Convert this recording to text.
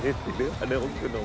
あれ奥のも」